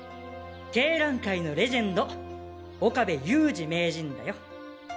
鶏卵界のレジェンド岡部雄二名人だよ。